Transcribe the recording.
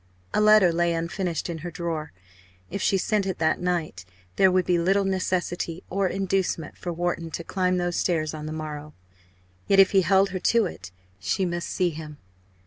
A letter lay unfinished in her drawer if she sent it that night, there would be little necessity or inducement for Wharton to climb those stairs on the morrow. Yet, if he held her to it, she must see him.